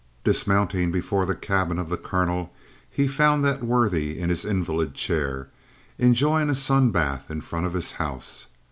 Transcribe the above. Dismounting before the cabin of the colonel, he found that worthy in his invalid chair, enjoying a sun bath in front of his house.